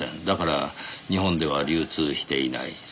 だから日本では流通していない。